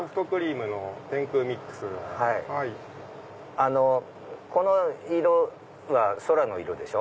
あのこの色は空の色でしょ？